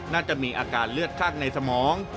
น่าจะมีอาการเลือดข้างในสมอง